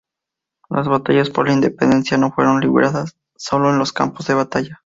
Las batallas por la independencia no fueron libradas solo en los campos de batalla.